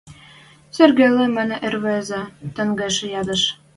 — Серге лӹмӓн ӹрвезӹ тӓнгжӹ ядеш.